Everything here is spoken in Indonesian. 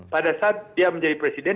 pada saat dia menjadi presiden